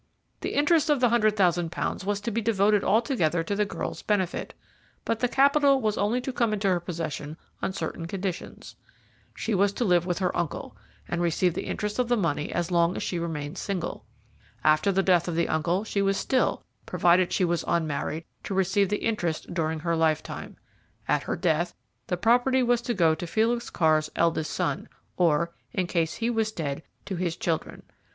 The interest of the hundred thousand pounds was to be devoted altogether to the girl's benefit, but the capital was only to come into her possession on certain conditions. She was to live with her uncle, and receive the interest of the money as long as she remained single. After the death of the uncle she was still, provided she was unmarried, to receive the interest during her lifetime. At her death the property was to go to Felix Carr's eldest son, or, in case he was dead, to his children.